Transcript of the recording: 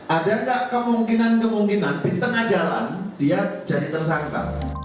ada nggak kemungkinan kemungkinan di tengah jalan dia jadi tersangka